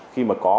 khi mà có